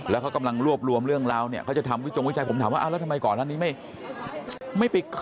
แล้วเขากำลังรวบรวมเรื่องราวเนี่ยเขาจะทำวิจงวิจัยผมถามว่าแล้วทำไมก่อนอันนี้ไม่ไป